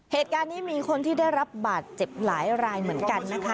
เหตุการณ์นี้มีคนที่ได้รับบาดเจ็บหลายรายเหมือนกันนะคะ